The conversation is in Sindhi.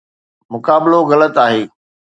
مقابلو غلط آهي.